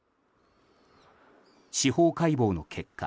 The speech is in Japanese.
司法解剖の結果